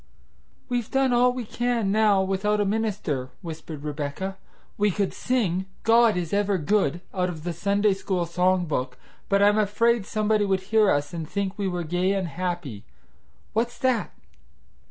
"We've done all we can now without a minister," whispered Rebecca. "We could sing, God is ever good' out of the Sunday school song book, but I'm afraid somebody would hear us and think we were gay and happy. What's that?"